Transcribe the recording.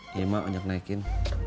iya mak anjak naikin